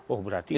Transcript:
oh berarti ini